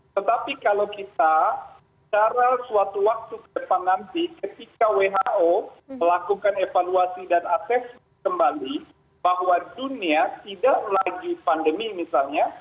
tetapi kalau kita cara suatu waktu ke depan nanti ketika who melakukan evaluasi dan asesmen kembali bahwa dunia tidak lagi pandemi misalnya